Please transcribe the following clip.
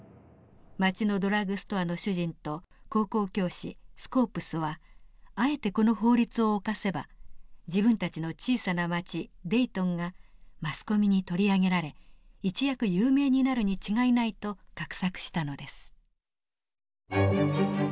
町のドラッグストアの主人と高校教師スコープスはあえてこの法律を犯せば自分たちの小さな町デイトンがマスコミに取り上げられ一躍有名になるに違いないと画策したのです。